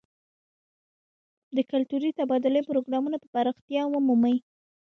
د کلتوري تبادلې پروګرامونه به پراختیا ومومي.